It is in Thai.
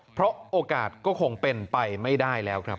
เพราะโอกาสก็คงเป็นไปไม่ได้แล้วครับ